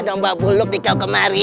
domba buluk di kau kemari